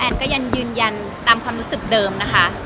ก็ยังยืนยันตามความรู้สึกเดิมนะคะ